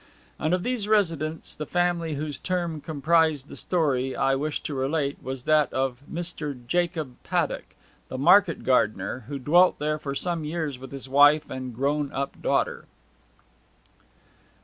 And of these residents the family whose term comprised the story I wish to relate was that of Mr. Jacob Paddock the market gardener, who dwelt there for some years with his wife and grown up daughter.